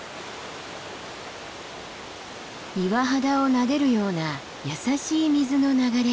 岩肌をなでるような優しい水の流れ。